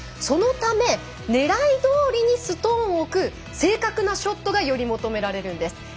そのため、ねらいどおりにストーンを置く正確なショットがより求められるんです。